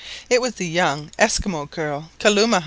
It was the young Esquimaux girl Kalumah!